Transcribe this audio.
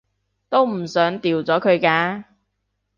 都唔想掉咗佢㗎